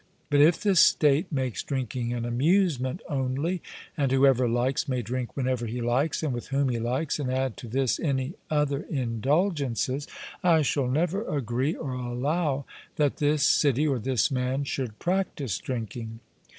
But if the State makes drinking an amusement only, and whoever likes may drink whenever he likes, and with whom he likes, and add to this any other indulgences, I shall never agree or allow that this city or this man should practise drinking.